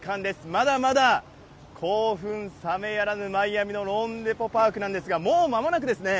まだまだ興奮冷めやらぬマイアミのローンデポ・パークなんですけれども、もうまもなくですね、